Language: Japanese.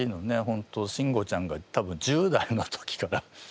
本当慎吾ちゃんが多分１０代の時から。